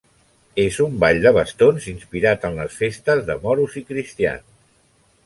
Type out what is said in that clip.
És un ball de bastons inspirat en les festes de Moros i Cristians.